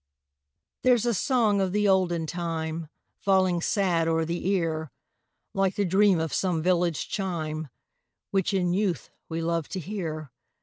There's a song of the olden time, Falling sad o'er the ear, Like the dream of some village chime, Which in youth we loved to hear.